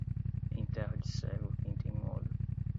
Em terra de cego, quem tem um olho